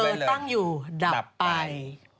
เกอร์ตั้งอยู่ดับไป